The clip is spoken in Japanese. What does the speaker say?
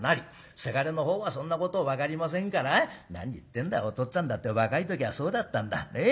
せがれのほうはそんなこと分かりませんから「何言ってんだおとっつぁんだって若い時はそうだったんだ。ねえ。